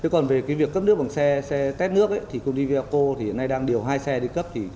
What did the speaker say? còn về việc cấp nước bằng xe tét nước công ty vlco hiện nay đang điều hai xe đi cấp